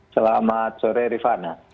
selamat sore rifana